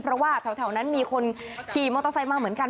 เพราะว่าแถวนั้นมีคนขี่มอเตอร์ไซค์มาเหมือนกัน